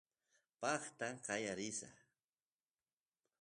paqta qaya risaq